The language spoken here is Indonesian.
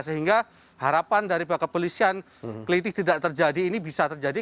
sehingga harapan dari pihak kepolisian kelitih tidak terjadi ini bisa terjadi